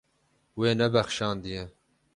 We nebexşandiye.